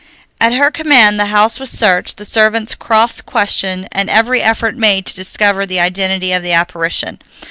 At her command the house was searched, the servants cross questioned, and every effort made to discover the identity of the apparition.